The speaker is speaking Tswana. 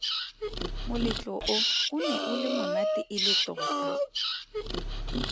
Moletlo o, o ne o le monate e le tota!